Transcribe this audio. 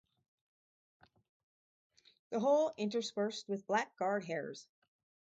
The whole interspersed with black guard hairs.